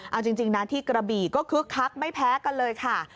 เอาจริงนะที่กระบี่ก็คึกคักไม่แพ้กันเลยค่ะ